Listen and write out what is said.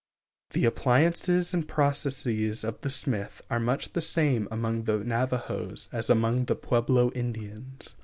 The appliances and processes of the smith are much the same among the Navajos as among the Pueblo Indians.